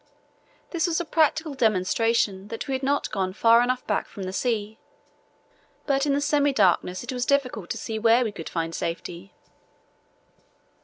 This was a practical demonstration that we had not gone far enough back from the sea, but in the semi darkness it was difficult to see where we could find safety.